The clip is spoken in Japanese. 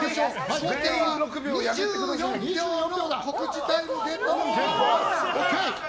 合計で２４秒の告知タイムゲットです！